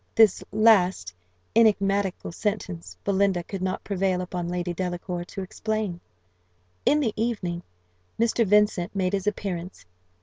This last enigmatical sentence Belinda could not prevail upon Lady Delacour to explain. In the evening Mr. Vincent made his appearance.